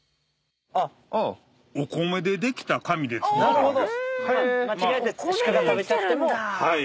なるほど。